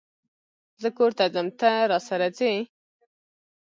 زه کور ته ځم ته، راسره ځئ؟